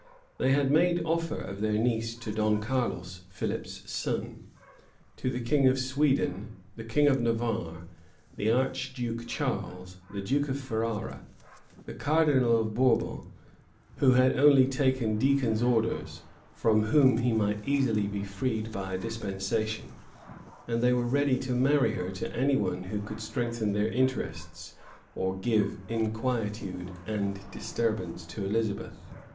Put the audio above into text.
They had made offer of their niece to Don Carlos, Philip's son; to the king of Sweden, the king of Navarre, the archduke Charles, the duke of Ferrara, the cardinal of Bourbon, who had only taken deacon's orders, from which he might easily be freed by a dispensation; and they were ready to marry her to any one who could strengthen their interests, or give inquietude and disturbance to Elizabeth.